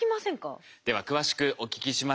では詳しくお聞きしましょう。